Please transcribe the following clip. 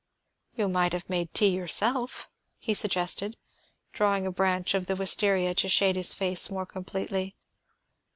"You might have made tea yourself," he suggested, drawing a branch of the wistaria to shade his face more completely.